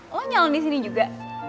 lo nyelon disini juga